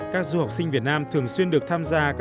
các du học sinh việt nam thường xuyên được tham gia